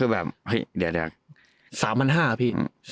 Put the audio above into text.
๓๕๐๐บาทอ่ะพี่